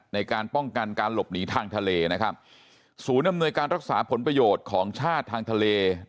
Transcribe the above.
ในการป้องกันการหลบหนีทางทะเลนะครับศูนย์อำนวยการรักษาผลประโยชน์ของชาติทางทะเล